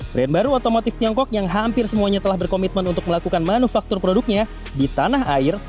brand baru otomotif tiongkok yang hampir semuanya telah berkomitmen untuk melakukan manufaktur produknya di tanah air